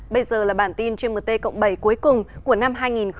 bây giờ là bản tin gmt cộng bảy cuối cùng của năm hai nghìn một mươi chín